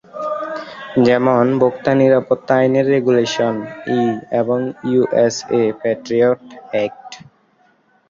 যেমনঃ ভোক্তা নিরাপত্তা আইনের রেগুলেশন ই এবং ইউএসএ প্যাট্রিয়ট এক্ট।